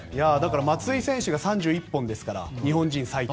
松井選手が３１本ですから日本人最多。